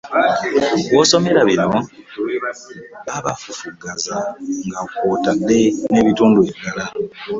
W'osomera bino, baabafufuggaza nga kw'otadde n'ebitundu ebirala